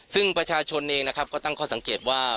ซึ่งประชาชนเองนะครับก็ตั้งข้อสังเกตว่า